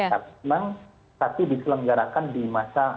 tapi memang tapi diselenggarakan di masa masa ini